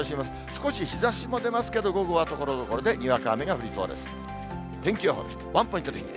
少し日ざしも出ますけれども、午後はところどころでにわか雨が降りそうです。